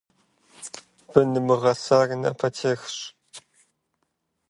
Бын мыгъасэр напэтехщ.